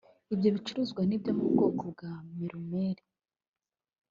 Ibyo bicuruzwa ni ibyo mu bwoko bwa Milumel